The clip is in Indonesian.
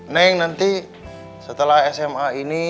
neng nanti setelah sma ini